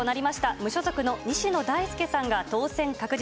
無所属の西野太亮さんが当選確実。